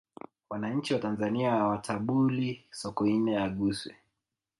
wananchi wa tanzania hawatabuli sokoine aguswe